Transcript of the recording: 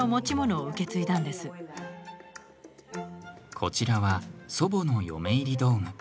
こちらは祖母の嫁入り道具。